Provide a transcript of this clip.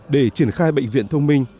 để triển khai bệnh viện thông minh